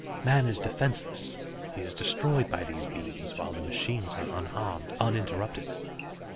Man is defenseless, he is destroyed by these beams, while the machines are unharmed, uninterrupted.